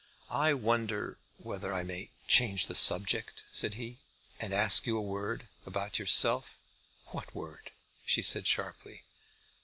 "I wonder whether I may change the subject," said he, "and ask you a word about yourself?" "What word?" she said sharply.